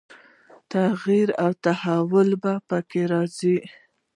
تغییر او تحول به په کې راځي.